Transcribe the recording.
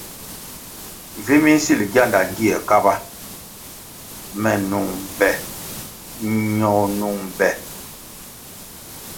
Vi minsil gyanda gie Kaba, me nung be ño nung be.